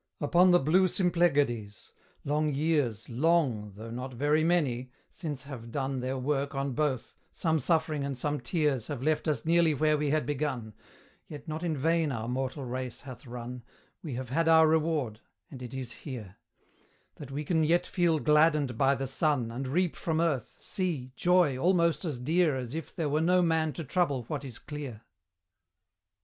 Upon the blue Symplegades: long years Long, though not very many since have done Their work on both; some suffering and some tears Have left us nearly where we had begun: Yet not in vain our mortal race hath run, We have had our reward and it is here; That we can yet feel gladdened by the sun, And reap from earth, sea, joy almost as dear As if there were no man to trouble what is clear.